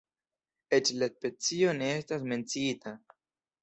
Eĉ la specio ne estas menciita.